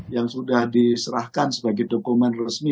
yang sudah diserahkan sebagai dokumen resmi